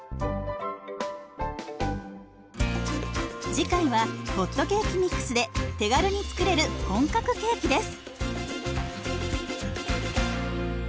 次回はホットケーキミックスで手軽に作れる本格ケーキです。